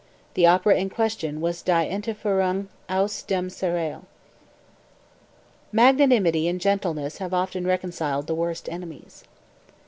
The opera in question was "Die Entfuhrung aus dem Serail.") 214. "Magnanimity and gentleness have often reconciled the worst enemies."